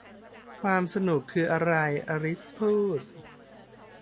'ความสนุกคืออะไร ? ' อลิซพูด